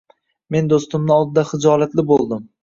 Men do’stimni oldida xijolatli bo‘ldim.